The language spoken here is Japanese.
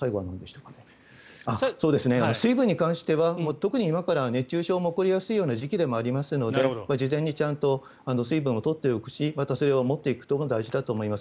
水分に関しては特に今から熱中症が起こりやすい時期でもありますので事前にちゃんと水分を取っておくまたそれを持っていくことが大事だと思います。